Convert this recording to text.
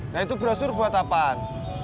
nah itu brosur buat apaan